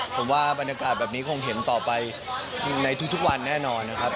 ผมว่าบรรยากาศแบบนี้คงเห็นต่อไปในทุกวันแน่นอนนะครับ